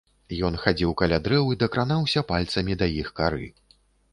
Ён хадзіў каля дрэў і дакранаўся пальцамі да іх кары.